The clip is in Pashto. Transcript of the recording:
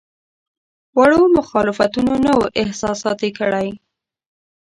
وړو مخالفتونو نه وو احساساتي کړی.